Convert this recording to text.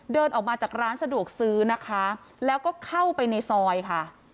เดินออกมาจากร้านสะดวกซื้อนะคะแล้วก็เข้าไปในซอยค่ะ